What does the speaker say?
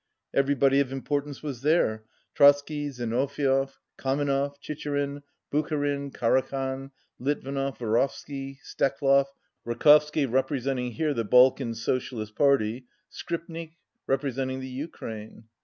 Every body of importance was there; Trotzky, Zinoviev, 214 Kamenev, Chicherin, Bucharin, Karakhan, Lit vinov, Vorovsky, Steklov, Rakovsky, representing here the Balkan Socialist Party, Skripnik, repre senting the Ukraine.